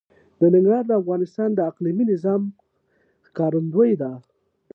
ننګرهار د افغانستان د اقلیمي نظام ښکارندوی ده.